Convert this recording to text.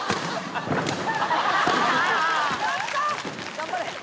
頑張れ！